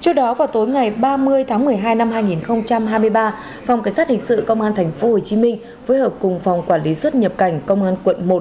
trước đó vào tối ngày ba mươi tháng một mươi hai năm hai nghìn hai mươi ba phòng cảnh sát hình sự công an tp hcm phối hợp cùng phòng quản lý xuất nhập cảnh công an quận một